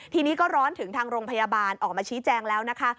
ทีนี้ก็ร้อนถึงทางโรงพยาบาลออกมาชี้แจงแล้วนะคะ